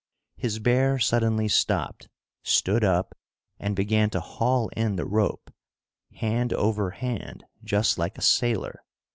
His bear suddenly stopped, stood up and began to haul in the rope, hand over hand, just like a sailor.